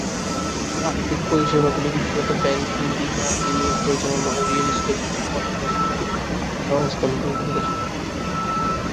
আর্থিক পরিষেবাগুলি, বিশেষত ব্যাংকিং, বীমা, বিনিয়োগ পরিচালনা ও রিয়েল এস্টেট বা আবাসনের আর্থিক সংস্থান দ্রুত বিকশিত হচ্ছে।